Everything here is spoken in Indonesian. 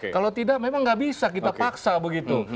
kalau tidak memang nggak bisa kita paksa begitu